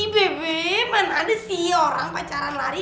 mana ada sih orang pacaran lari